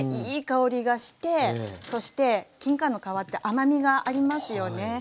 いい香りがしてそしてきんかんの皮って甘みがありますよね。